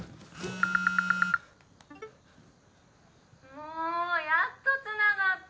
もうやっとつながった。